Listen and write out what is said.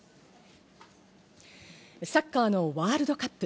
サッカーのワールドカップ。